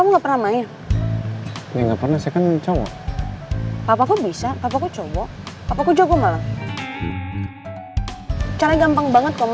makasih ya tante